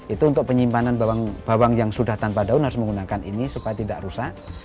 itu untuk penyimpanan bawang yang sudah tanpa daun harus menggunakan ini supaya tidak rusak